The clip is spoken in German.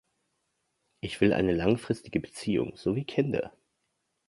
Ich will eine langfristige Beziehung sowie Kinder!